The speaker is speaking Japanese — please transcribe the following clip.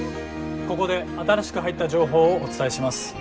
ここで新しく入った情報をお伝えします。